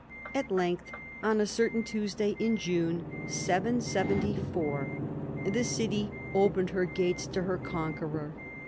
At length on a certain Tuesday in June (774) the city opened her gates to her conqueror.